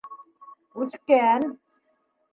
Үҫкән.